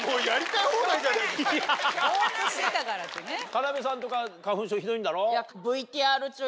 田辺さんとか花粉症ひどいんだろ？